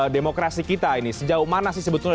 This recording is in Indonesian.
demokrasi kita ini sejauh mana sih sebetulnya